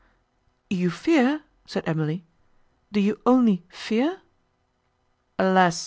"You fear!" said Emily, "do you only fear?" "Alas!